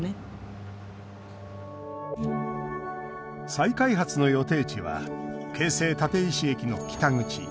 再開発の予定地は京成立石駅の北口。